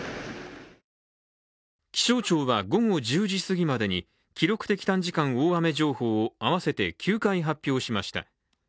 気象庁は午後１０時すぎまでに記録的短時間大雨情報を合わせて９回発表しました。